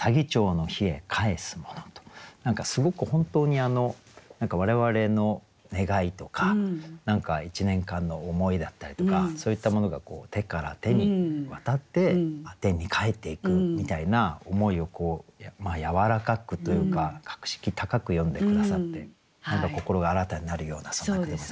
何かすごく本当に我々の願いとか１年間の思いだったりとかそういったものが手から手に渡って天に還っていくみたいな思いをやわらかくというか格式高く詠んで下さって何か心が新たになるようなそんな句でございました。